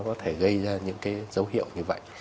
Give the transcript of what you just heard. có thể gây ra những cái dấu hiệu như vậy